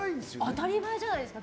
当たり前じゃないですか。